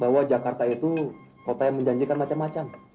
bahwa jakarta itu kota yang menjanjikan macam macam